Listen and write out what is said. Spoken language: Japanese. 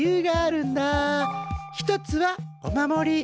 一つはお守り。